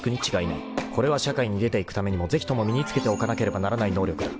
これは社会に出ていくためにもぜひとも身に付けておかなければならない能力だ］